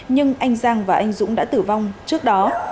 nhưng anh giang và anh dũng đã tử vong trước đó